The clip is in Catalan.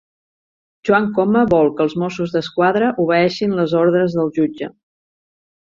Joan Coma vol que els Mossos d'Esquadra obeeixin les ordres del jutge